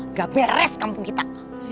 nggak beres kampung kita